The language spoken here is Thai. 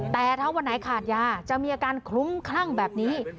แต่ถ้าวันไหนขาดยาจะมีอาการคลุ้มคลั่งแบบนี้